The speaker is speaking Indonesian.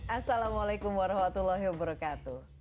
assalamualaikum warahmatullahi wabarakatuh